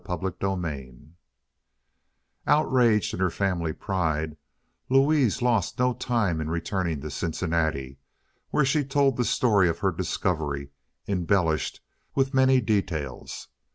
CHAPTER XXXIII Outraged in her family pride, Louise lost no time in returning to Cincinnati, where she told the story of her discovery, embellished with many details.